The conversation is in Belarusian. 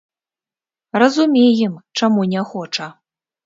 Разумеем, чаму не хоча.